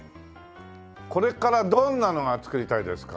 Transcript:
これからどんなのが作りたいですか？